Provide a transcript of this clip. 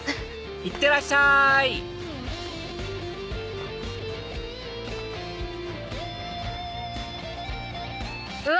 いってらっしゃいうわ